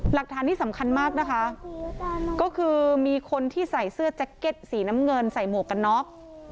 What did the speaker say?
หลักฐานนี้สำคัญมากนะคะก็คือมีคนที่ใส่เสื้อแจ็คเก็ตสีน้ำเงินใส่หมวกกันน็อก